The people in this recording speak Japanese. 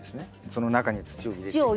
その中に土を入れていく。